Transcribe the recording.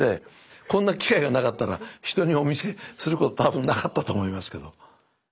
こんな機会がなかったら人にお見せする事多分なかったと思いますけど。